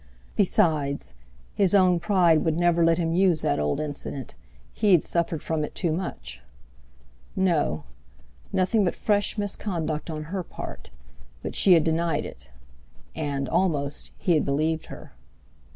Besides, his own pride would never let him use that old incident, he had suffered from it too much. No! Nothing but fresh misconduct on her part—but she had denied it; and—almost—he had believed her.